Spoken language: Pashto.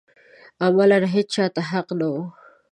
عملاً هېچا ته حق نه و